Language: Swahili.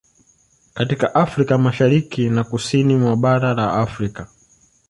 Katika Afrika ya Mashariki na Kusini mwa bara la Afrika